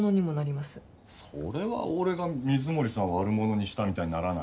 それは俺が水森さんを悪者にしたみたいにならない？